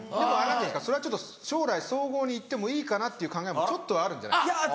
それは将来総合に行ってもいいかなっていう考えもちょっとはあるんじゃ？